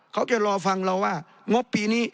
เขาจะรอฟังเราว่างบปีนี้